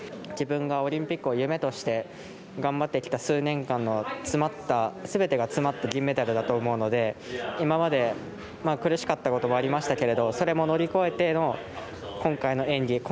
自分がオリンピックを夢として頑張ってきた数年間のすべてが詰まった銀メダルだと思うので今まで苦しかったこともありましたけれどそれも乗り越えての今回の演技